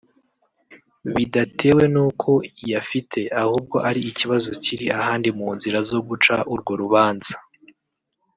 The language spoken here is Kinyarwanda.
bidatewe nuko iyafite ahubwo ari ikibazo kiri ahandi mu nzira zo guca urwo rubanza